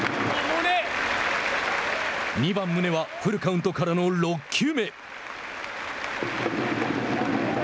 ２番宗はフルカウントからの６球目。